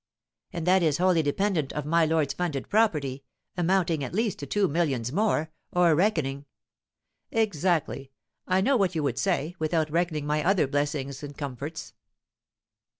"And that is wholly independent of my lord's funded property, amounting at least to two millions more; or reckoning " "Exactly; I know what you would say; without reckoning my other blessings and comforts."